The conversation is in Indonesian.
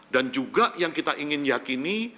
dan juga yang kita ingin yakini